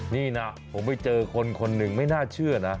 นี่นะผมไปเจอคนคนหนึ่งไม่น่าเชื่อนะ